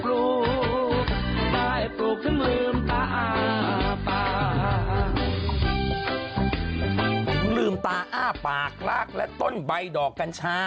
ผมลืมตาอ้าปากลากและต้นใบดอกกัญชา